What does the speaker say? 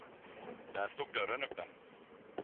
Där stod dörren öppen.